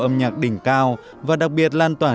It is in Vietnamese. âm nhạc đỉnh cao và đặc biệt lan tỏa